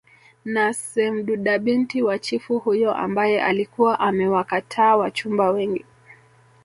na semdudabinti wa chifu huyo ambaye alikuwa amewakataa wachumba wengi